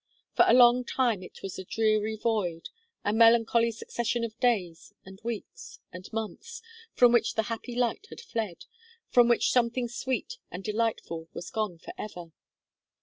For a long time it was a dreary void a melancholy succession of days and weeks and months, from which the happy light had fled from which something sweet and delightful was gone for ever.